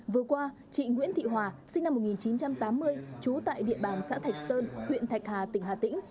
vừa qua chị nguyễn thị hòa sinh năm một nghìn chín trăm tám mươi trú tại địa bàn xã thạch sơn huyện thạch hà tỉnh hà tĩnh